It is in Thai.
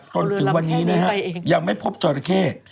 ตรวจถึงวันนี้ยังไม่พบจราเข้